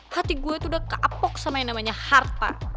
hati gue itu udah kapok sama yang namanya harta